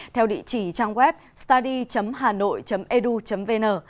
theo địa chỉ trang web study hanoi edu vn